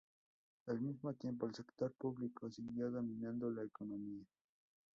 Al mismo tiempo, el sector público siguió dominando la economía.